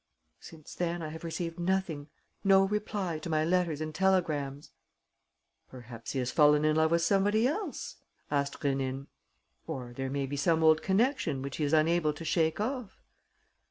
"Since then, I have received nothing: no reply to my letters and telegrams." "Perhaps he has fallen in love with somebody else?" asked Rénine. "Or there may be some old connection which he is unable to shake off."